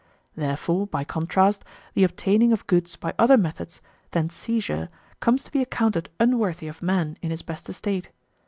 Therefore, by contrast, the obtaining of goods by other methods than seizure comes to be accounted unworthy of man in his best estate.